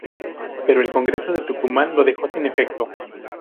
Pero el Congreso de Tucumán lo dejó sin efecto.